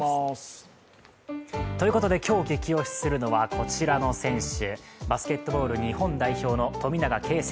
ということで、今日ゲキ推しするのはこちらの選手。